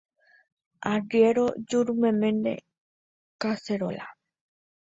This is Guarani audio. Arriéro jurumeme kaseróla.